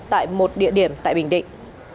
tại một địa điểm tại bình định